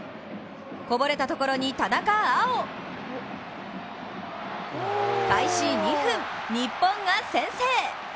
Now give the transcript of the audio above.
こぼれたところに田中碧！開始２分、日本が先制。